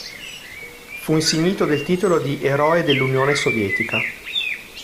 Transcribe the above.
Fu insignito del titolo di "Eroe dell'Unione Sovietica".